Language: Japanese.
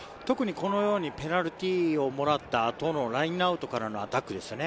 このようにペナルティーをもらった後のラインアウトからのアタックですよね。